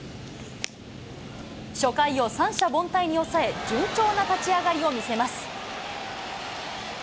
初回を三者凡退に抑え、順調な立ち上がりを見せます。